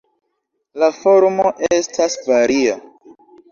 La formo estas varia.